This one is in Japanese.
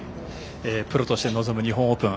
プロとして臨む日本オープン